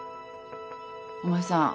お前さん